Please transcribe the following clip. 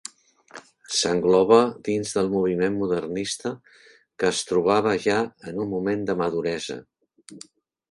S'engloba dins del moviment modernista, que es trobava ja en un moment de maduresa.